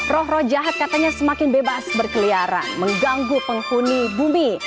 roh roh jahat katanya semakin bebas berkeliaran mengganggu penghuni bumi